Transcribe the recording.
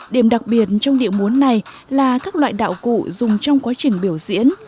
điểm đặc biệt trong điệu múa này là các loại đạo cụ dùng trong quá trình biểu diễn